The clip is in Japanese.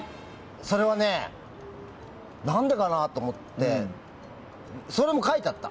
それはね、なんでかなと思ってそれも書いてあった。